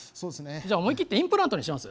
じゃあ思い切ってインプラントにします？」。